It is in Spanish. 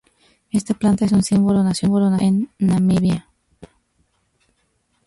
Esta planta es un símbolo nacional en Namibia.